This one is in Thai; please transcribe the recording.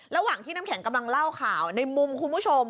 ระหว่างที่น้ำแข็งกำลังเล่าข่าวในมุมคุณผู้ชม